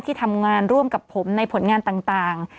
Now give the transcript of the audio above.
ที่ทำงานร่วมกับผมในผลงานต่าง